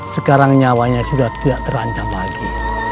sekarang nyawanya sudah tidak terancam lagi